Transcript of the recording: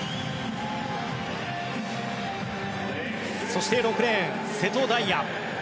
そして６レーン、瀬戸大也。